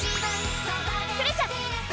プレシャス！